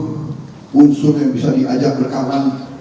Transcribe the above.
unsur yang bisa diajak berkawan